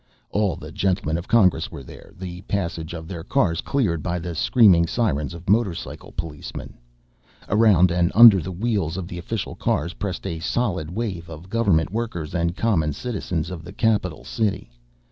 All the gentlemen of Congress were there, the passage of their cars cleared by the screaming sirens of motorcycle policemen. Around and under the wheels of the official cars pressed a solid wave of government workers and common citizens of the capital city.